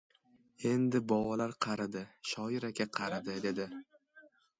— Endi, bovalar qaridi, shoir aka, qaridi, — dedi.